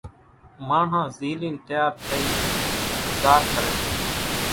ماڻۿان زيلين تيار ٿئين زار ڪري سي،